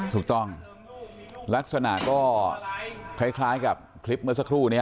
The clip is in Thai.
ถูกต้องลักษณะก็คล้ายกับคลิปเมื่อสักครู่นี้